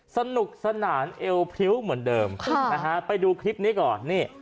สนุกสนานเอวพริ้วเหมือนเดิมไปดูคลิปนี้ก่อนนี่